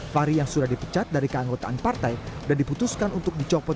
fahri yang sudah dipecat dari keanggotaan partai dan diputuskan untuk dicopot